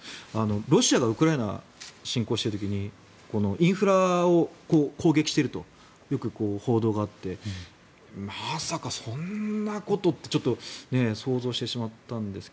ロシアがウクライナ侵攻している時にインフラを攻撃しているとよく報道があってまさかそんなことって想像してしまったんですが。